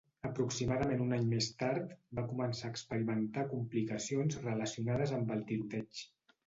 Aproximadament un any més tard, va començar a experimentar complicacions relacionades amb el tiroteig.